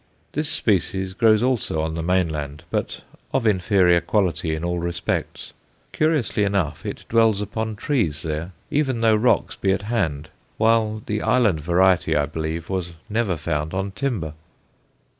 This species grows also on the mainland, but of inferior quality in all respects; curiously enough it dwells upon trees there, even though rocks be at hand, while the island variety, I believe, was never found on timber.